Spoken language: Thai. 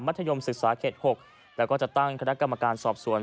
ธยมศึกษาเขต๖แล้วก็จะตั้งคณะกรรมการสอบสวน